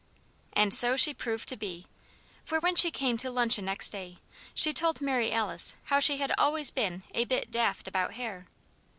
And so she proved to be. For, when she came to luncheon next day, she told Mary Alice how she had always been "a bit daft about hair."